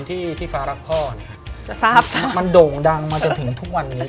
ที่พี่ฟ้ารักพ่อนะครับมันโด่งดังมาจนถึงทุกวันนี้